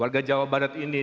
warga jawa barat ini